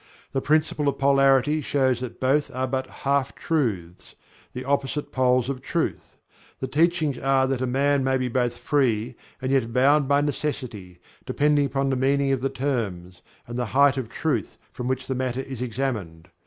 The Principle of Polarity shows that both are but Half Truths the opposing poles of Truth. The Teachings are that a man may be both Free and yet bound by Necessity, depending upon the meaning of the terms, and the height of Truth from which the matter is examined.